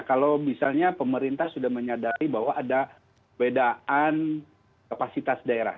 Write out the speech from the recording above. kalau misalnya pemerintah sudah menyadari bahwa ada bedaan kapasitas daerah